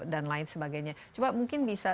dan lain sebagainya coba mungkin bisa